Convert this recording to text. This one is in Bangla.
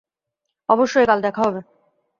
অবশ্যই - কাল দেখা হবে।